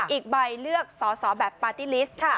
อีกใบเลือกสอสอแบบปาร์ตี้ลิสต์ค่ะ